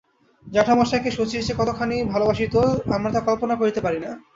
জ্যাঠামশায়কে শচীশ যে কতখানি ভালোবাসিত আমরা তা কল্পনা করিতে পারি না।